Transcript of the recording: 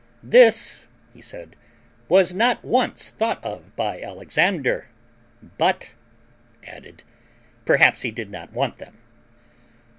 THIS, he said, WAS NOT ONCE THOUGHT OF BY Alexander; BUT added, PERHAPS HE DID NOT WANT THEM.